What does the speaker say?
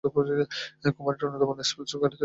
কোম্পানিটি উন্নতমানের স্পোর্টস গাড়ি তৈরি করে।